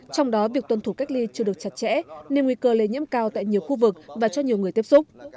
trong đó việc tuân thủ cách ly chưa được chặt chẽ nên nguy cơ lây nhiễm cao tại nhiều khu vực và cho nhiều người tiếp xúc